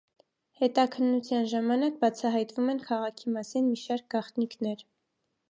Հետաքննության ժամանակ բացահյատվում են քաղաքի մասին մի շարք գաղտնիքներ։